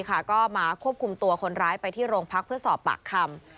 ก็มาควบคุมตัวคนร้ายไปที่โรงพักเพื่อสอบปากคำ